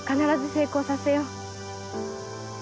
成功させよう。